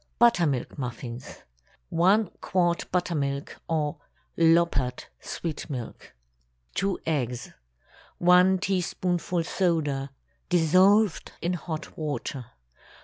BUTTERMILK MUFFINS. 1 quart buttermilk, or "loppered" sweet milk. 2 eggs. 1 teaspoonful soda, dissolved in hot water.